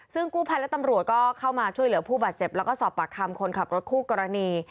ซึ่งกู้ภัยและตำรวจก็เข้ามาช่วยเหลือผู้บาดเจ็บแล้วก็สอบปากคำคนขับรถคู่กรณี